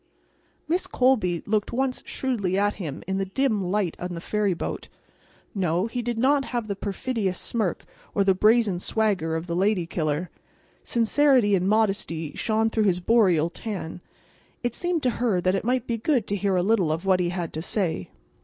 Miss Colby looked once shrewdly at him in the dim light on the ferry boat. No; he did not have the perfidious smirk or the brazen swagger of the lady killer. Sincerity and modesty shone through his boreal tan. It seemed to her that it might be good to hear a little of what he had to say.